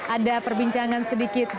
ada perbincangan sedikit